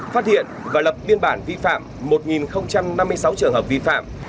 phát hiện và lập biên bản vi phạm một năm mươi sáu trường hợp vi phạm